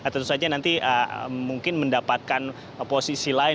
tentu saja nanti mungkin mendapatkan posisi lain